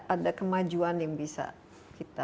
ada kemajuan yang bisa kita